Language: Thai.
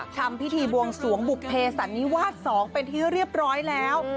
ทำพิธีบวงสวงบุภเพสันนิวาส๒เป็นที่เรียบร้อยแล้ว